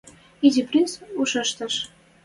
— Изи принц ушештӹш.